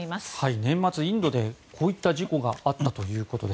年末、インドでこういった事故があったということです。